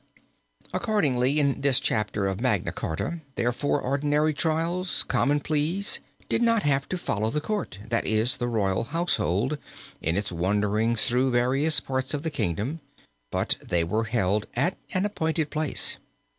According to this chapter of Magna Charta, thereafter ordinary trials, Common Pleas, did not have to follow the Court, that is the royal household, in its wanderings through various parts of the kingdom, but they were held at an appointed place.